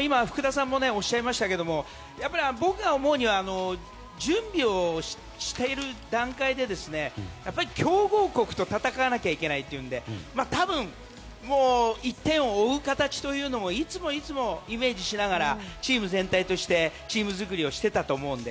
今福田さんもおっしゃいましたが僕が思うには準備をしている段階でやっぱり強豪国と戦わなきゃいけないというので多分、１点を追う形というのもいつもいつもイメージしながらチーム全体としてチーム作りをしてたと思うので。